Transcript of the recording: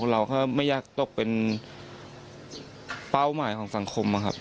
เราก็ไม่อยากตกเป็นเป้าหมายของสังคมนะครับ